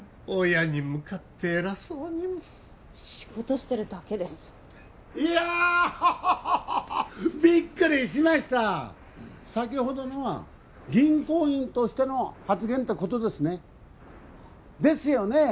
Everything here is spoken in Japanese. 親に向かって偉そうに仕事してるだけですいやハッハハハびっくりしました先ほどのは銀行員としての発言ってことですね？ですよね？